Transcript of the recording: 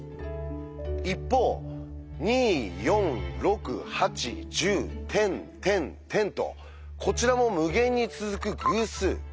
一方２４６８１０てんてんてんとこちらも無限に続く偶数。